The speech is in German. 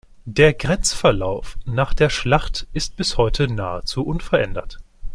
Der Grenzverlauf nach der Schlacht ist bis heute nahezu unverändert.